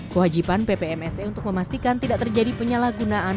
kewajiban ppmse untuk memastikan tidak terjadi penyalahgunaan